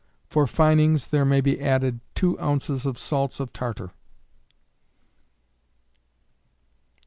For finings there may be added two ounces of salts of tartar.